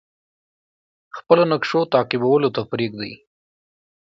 خپلو نقشو تعقیبولو ته پریږدي.